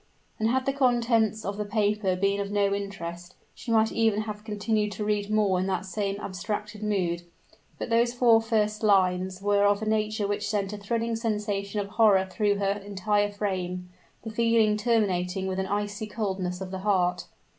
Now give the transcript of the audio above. And had the contents of the paper been of no interest, she might even have continued to read more in that same abstracted mood; but those four first lines were of a nature which sent a thrilling sensation of horror through her entire frame; the feeling terminating with an icy coldness of the heart.